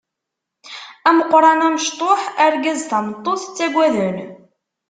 Ameqran amecṭuḥ argaz tameṭṭut ttagaden.